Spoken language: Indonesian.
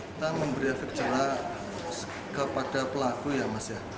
kita memberi efek jerah kepada pelaku ya mas ya